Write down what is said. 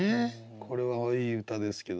これはいい歌ですけど。